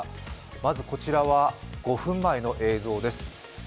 まずこちらは５分前の映像です。